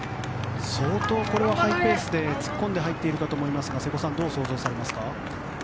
相当、これはハイペースで突っ込んで入っているかと思いますが瀬古さん、どう思われますか？